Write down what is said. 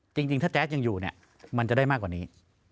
จริงถ้าแจ๊กซ์ยังอยู่มันจะได้มากกว่านี้